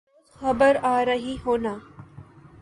روز خبر آرہی ہونا